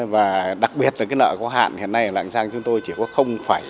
và đặc biệt là cái nợ có hạn hiện nay ở lạng giang chúng tôi chỉ có bảy mươi